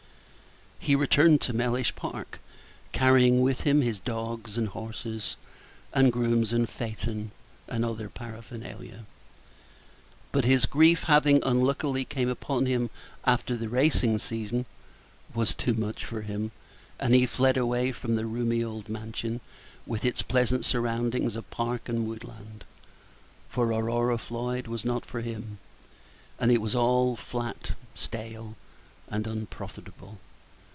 He returned to Mellish Park, carrying with him his dogs, and horses, and Page 33 grooms, and phaeton, and other paraphernalia; but his grief having unluckily come upon him after the racing season was too much for him, and he fled away from the roomy old mansion, with its pleasant surroundings of park and woodland: for Aurora Floyd was not for him, and it was all flat, stale, and unprofitable.